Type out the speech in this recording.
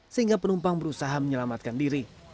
sehingga penumpang berusaha menyelamatkan diri